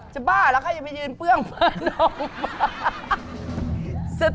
จะบ้าแล้วคะอย่าไปยืนเปลืองผ้าน้องบ้าง